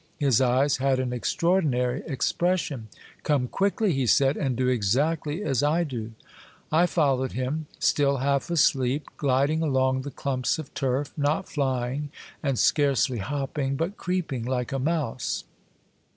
His eyes had an extraordinary expression. " Come quickly," he said, " and do exactly as I do." I followed him, still half asleep, gliding along the clumps of turf, not flying and scarcely hop ping, but creeping like a mouse.